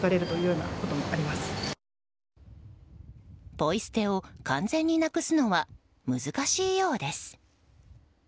ポイ捨てを完全になくすのは難しいようです。